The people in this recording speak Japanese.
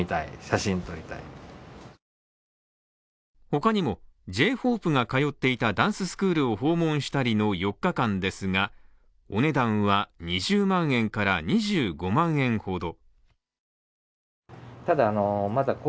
他にもＪ−ＨＯＰＥが通っていたダンススクールを訪問したりの４日間ですがお値段は２０万円から２５万円ほど。